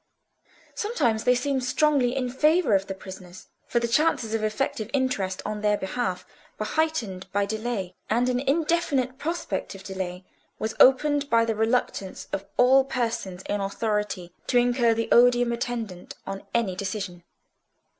Sometimes they seemed strongly in favour of the prisoners; for the chances of effective interest on their behalf were heightened by delay, and an indefinite prospect of delay was opened by the reluctance of all persons in authority to incur the odium attendant on any decision.